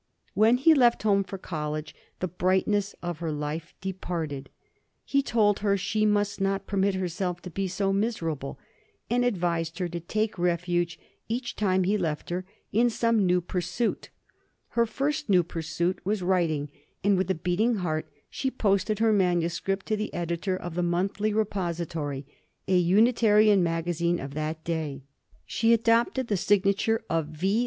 When he left home for college, the brightness of her life departed; he told her she must not permit herself to be so miserable, and advised her to take refuge, each time he left her, in some new pursuit; her first new pursuit was writing, and with a beating heart she posted her manuscript to the Editor of the Monthly Repository, a Unitarian magazine of that day. She adopted the signature of "V.